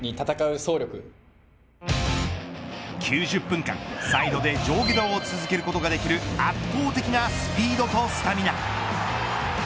９０分間、サイドで上下動を続けることができる圧倒的なスピードとスタミナ。